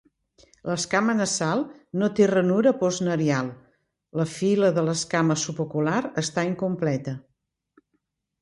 L'escama nasal no té ranura postnarial; la fila de l'escama subocular està incompleta.